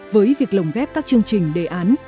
với việc lồng ghép các chương trình đề án